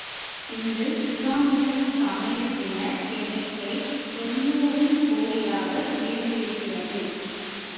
இன்று இஸ்லாமிய சமயத்தினர் எண்ணிக்கை தொண்ணுறு கோடியாக உயர்ந்திருக்கிறது.